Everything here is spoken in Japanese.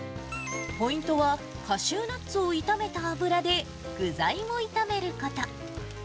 ポイントは、カシューナッツを炒めた油で具材も炒めること。